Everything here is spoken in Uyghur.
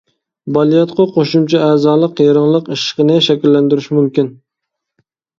بالىياتقۇ قوشۇمچە ئەزالار يىرىڭلىق ئىششىقىنى شەكىللەندۈرۈشى مۇمكىن.